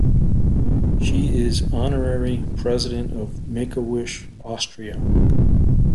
She is honorary president of Make-A-Wish Austria.